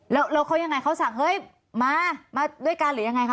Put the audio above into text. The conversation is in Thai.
แล้วเขายังไงเขาสั่งเฮ้ยมามาด้วยกันหรือยังไงคะ